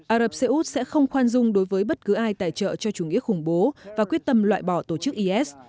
ả rập xê út sẽ không khoan dung đối với bất cứ ai tài trợ cho chủ nghĩa khủng bố và quyết tâm loại bỏ tổ chức is